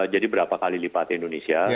jadi berapa kali lipat indonesia